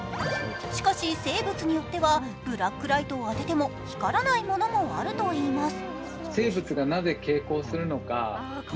しかし、生物によってはブラックライトを当てても光らないものもあるといいます。